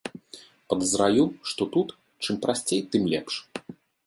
Падазраю, што тут, чым прасцей, тым лепш.